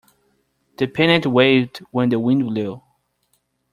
The pennant waved when the wind blew.